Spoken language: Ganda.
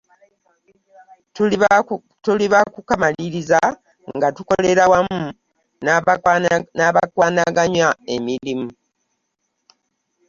Tuli baakukamaliririza nga tukolera wamu n’abakwanaganya emirimu.